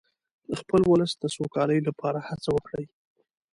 د خپل ولس د سوکالۍ لپاره هڅه وکړئ.